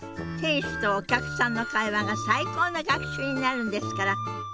店主とお客さんの会話が最高の学習になるんですから。